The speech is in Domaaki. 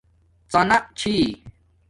ڎانݳ چھی